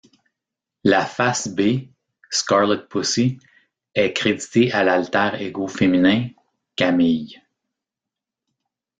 La Face-B, Scarlet Pussy, est créditée à l'alter ego féminin, Camille.